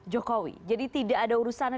jokowi jadi tidak ada urusannya